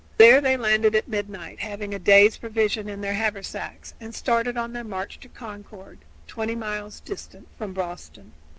There they landed at midnight, having a day's provisions in their haversacks, and started on their march to Concord, twenty miles distant from Boston.